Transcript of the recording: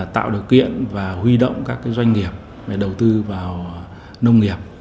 tạo điều kiện và huy động các doanh nghiệp về đầu tư vào nông nghiệp